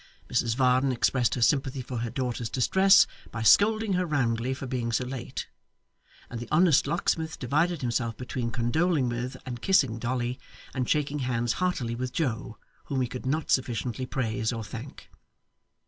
Mrs Varden expressed her sympathy for her daughter's distress by scolding her roundly for being so late; and the honest locksmith divided himself between condoling with and kissing Dolly, and shaking hands heartily with Joe, whom he could not sufficiently praise or thank.